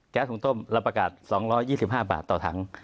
แก๊สถุงต้มรับประกาศ๒๒๕บาทต่อทั้ง